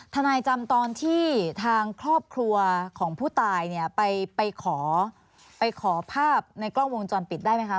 ทำลายจำตอนที่ทางครอบครัวของผู้ตายไปขอภาพในกล้องวงจรปิดได้ไหมคะ